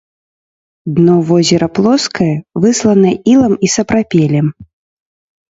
Дно возера плоскае, выслана ілам і сапрапелем.